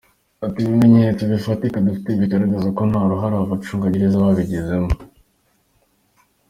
Ati “Ibimenyetso bifatika dufite bigaragaza ko nta ruhare abacungagereza babigizemo.”